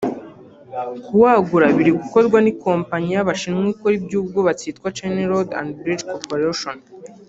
Kuwagura biri gukorwa n’ikompanyi y’Abashinwa ikora iby’ubwubatsi yitwa China Road and Bridge Corporation